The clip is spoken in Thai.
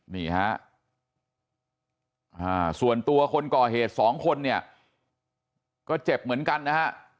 นี่ฮะส่วนตัวคนก่อเหตุสองคนเนี่ยก็เจ็บเหมือนกันนะฮะ